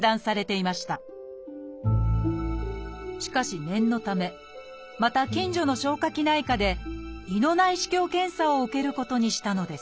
しかし念のためまた近所の消化器内科で胃の内視鏡検査を受けることにしたのです。